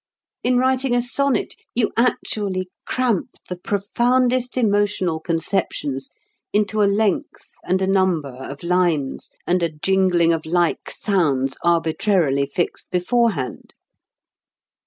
In writing a sonnet you actually cramp the profoundest emotional conceptions into a length and a number of lines and a jingling of like sounds arbitrarily fixed beforehand!